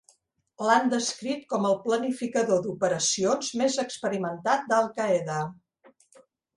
L'han descrit com el planificador d'operacions més experimentat d'Al-Qaeda.